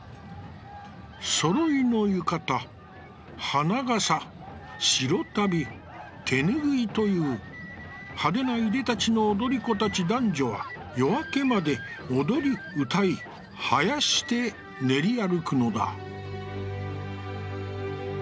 揃いの浴衣、花笠、白足袋、手拭という派手ないでたちの踊り子たち男女は、夜明けまで踊り歌い、囃して練り歩くのだ」。